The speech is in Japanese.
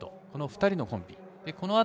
この２人のコンビです。